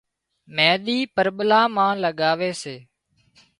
مينۮِي پرٻلا مان لڳاوي سي